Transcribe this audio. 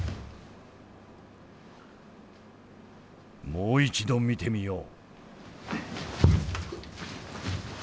もう一度見てみよう。